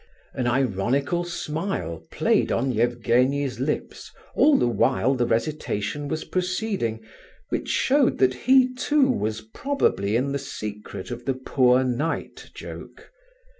An ironical smile played on Evgenie's lips all the while the recitation was proceeding, which showed that he, too, was probably in the secret of the 'poor knight' joke.